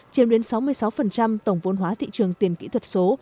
chiếm đến sáu mươi sáu tổng vôn hóa thị trường tiền kỹ thuật số